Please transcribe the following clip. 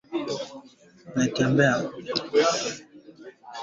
Mina potecha makuta ya ku uza ma mpango ya mama